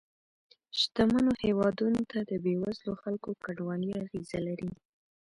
شتمنو هېوادونو ته د بې وزله خلکو کډوالۍ اغیزه لري